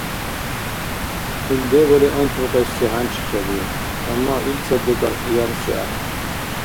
Ил дебали анцӀбукьеси хӀянчи саби, амма илцад-декӀар къиянси ахӀен.